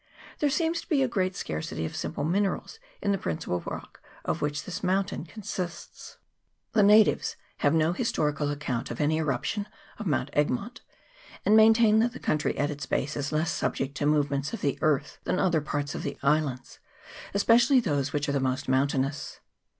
There seems to he a great scarcity of simple minerals in the principal rock of which this mountain consists. The natives have no historical account of any eruption of Mount Egmont, and maintain that the country at its base is less subject to movements of the earth than other parts of the islands, especially those which are the most mountainous.